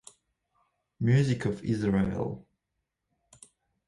Music of Israel